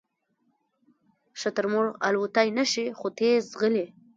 شترمرغ الوتلی نشي خو تېز ځغلي